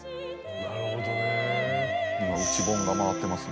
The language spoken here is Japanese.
なるほどね。